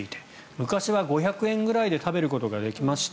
昔は５００円ぐらいで食べることができました。